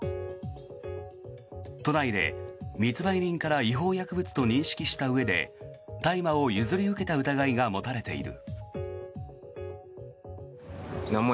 都内で、密売人から違法薬物と認識したうえで大麻を譲り受けた疑いが持たれている。